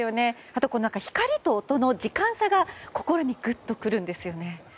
あと、光と音の時間差が心にグッとくるんですよね。